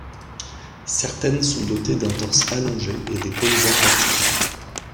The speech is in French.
Certaines sont dotées d'un torse allongé et d'épaules aplaties.